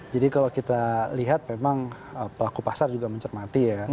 jadi kalau kita lihat memang pelaku pasar juga mencermati ya